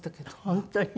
本当に？